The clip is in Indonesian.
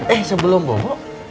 eh sebelum bobok